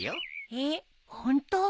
えっホント？